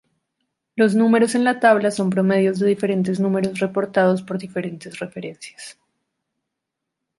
Los números en la tabla son promedios de diferentes números reportados por diferentes referencias.